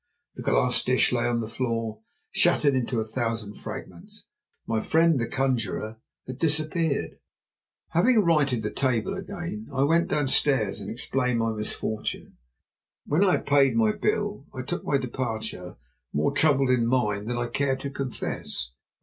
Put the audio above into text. The glass dish lay on the floor, shattered into a thousand fragments. My friend, the conjuror, had disappeared. Having righted the table again, I went downstairs and explained my misfortune. When I had paid my bill I took my departure, more troubled in mind than I cared to confess.